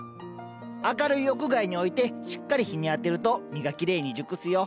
明るい屋外に置いてしっかり日に当てると実がきれいに熟すよ。